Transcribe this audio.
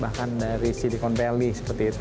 bahkan dari siticon valley seperti itu